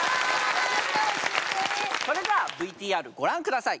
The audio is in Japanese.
それではＶＴＲご覧下さい。